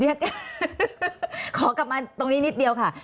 ขอกลับมาตรงนี้นิดเดียวค่ะ